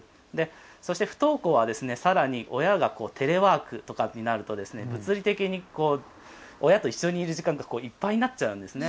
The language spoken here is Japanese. そして不登校は、さらに親がテレワークとかになると物理的に親と一緒にいる時間がいっぱいになっちゃうんですね。